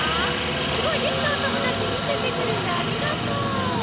すごい！できたおともだちみせてくれてありがとう。